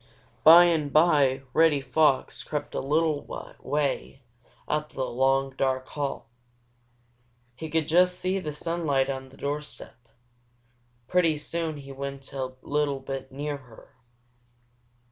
By and by Reddy Fox crept a little way up the long, dark hall. He could just see the sunlight on the doorstep. Pretty soon he went a little bit nearer.